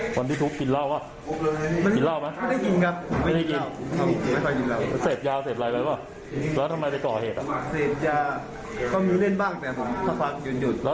ครับทุบระบายระบายอารมณ์ผมเปิดแล้วผมใส่ลัวเลย